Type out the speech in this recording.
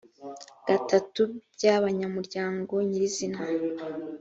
gatatu by abanyamuryango nyirizina